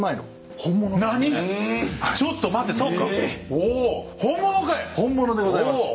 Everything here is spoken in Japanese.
本物でございます。